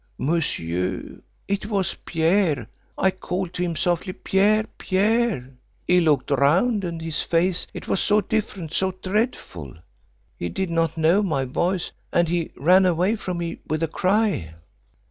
Monsieur, it was Pierre. I called to him softly, 'Pierre, Pierre!' He looked round, and his face, it was so different so dreadful. He did not know my voice, and he ran away from me with a cry.